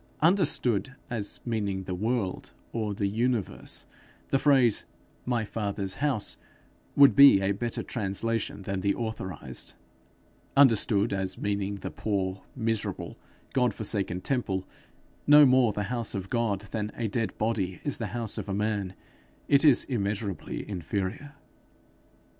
Understood as meaning the world, or the universe, the phrase, 'my father's house,' would be a better translation than the authorized; understood as meaning the poor, miserable, God forsaken temple no more the house of God than a dead body is the house of a man it is immeasurably inferior.